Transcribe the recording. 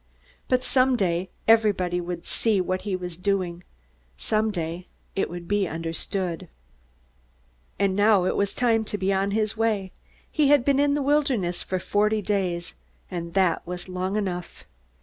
But someday everybody would see what he was doing. Someday it would be understood. And now it was time to be on his way. He had been in the wilderness forty days, and that was long enough.